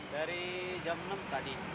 dari jam enam tadi